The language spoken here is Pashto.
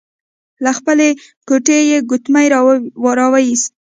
له خپلې ګوتې يې ګوتمۍ را وايسته.